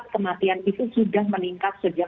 kematian itu sudah meningkat sejak